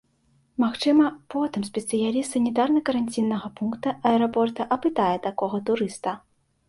Магчыма, потым спецыяліст санітарна-каранціннага пункта аэрапорта апытае такога турыста.